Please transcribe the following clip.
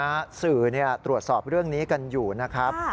ฑาซื้อเนี้ยตรวจสอบเรื่องนี้กันอยู่นะครับค่ะ